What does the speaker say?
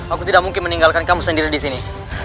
aku tidak mungkin meninggalkan kamu sendiri disini